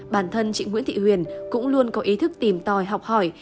bản thân chị nguyễn thị huyền cũng luôn có ý thức tìm tòi học hỏi